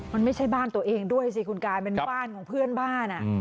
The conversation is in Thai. มันไม่ใช่บ้านตัวเองด้วยสิคุณกายเป็นบ้านของเพื่อนบ้าน